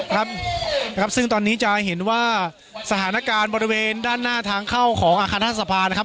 ครับนะครับซึ่งตอนนี้จะเห็นว่าสถานการณ์บริเวณด้านหน้าทางเข้าของอาคารรัฐสภานะครับ